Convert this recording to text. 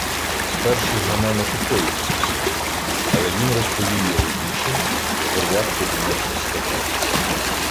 Спершу Гана непокоїв сей сон, але він розповів його іншим, і Горват, подумавши, сказав: